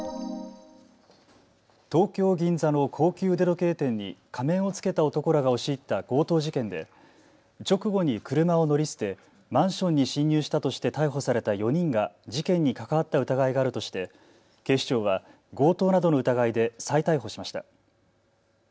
東京銀座の高級腕時計店に仮面を着けた男らが押し入った強盗事件で直後に車を乗り捨てマンションに侵入したとして逮捕された４人が事件に関わった疑いがあるとして警視庁は強盗などの疑いで再逮捕しました。